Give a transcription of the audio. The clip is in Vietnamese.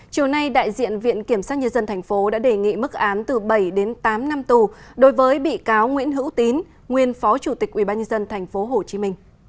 chiều nay đại diện viện kiểm sát nhân dân tp đã đề nghị mức án từ bảy đến tám năm tù đối với bị cáo nguyễn hữu tín nguyên phó chủ tịch ubnd tp hcm